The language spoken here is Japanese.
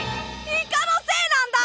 イカのせいなんだ！